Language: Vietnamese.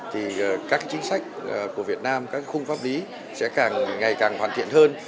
thì các chính sách của việt nam các khung pháp lý sẽ càng ngày càng hoàn thiện hơn